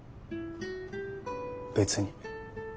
別に。